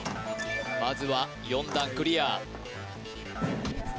まずは４段クリア